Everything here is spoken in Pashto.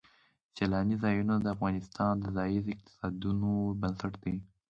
سیلانی ځایونه د افغانستان د ځایي اقتصادونو بنسټ دی.